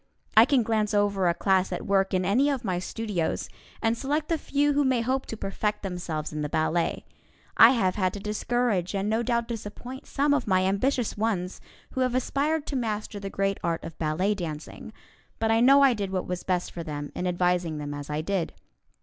I can glance over a class at work in any of my studios, and select the few who may hope to perfect themselves in the ballet. I have had to discourage and no doubt disappoint some of my ambitious ones who have aspired to master the great art of ballet dancing; but I know I did what was best for them in advising them as I did.